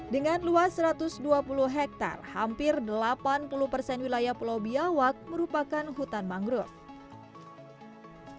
dengan luas satu ratus dua puluh hektare hampir delapan puluh persen wilayah pulau biawak merupakan hutan mangrove